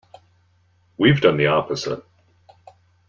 We've done the opposite.